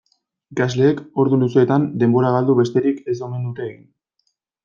Ikasleek ordu luzeetan denbora galdu besterik ez omen dute egin.